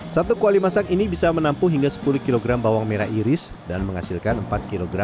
satu kuali masak ini bisa menampung hingga sepuluh kg bawang merah iris dan menghasilkan empat kg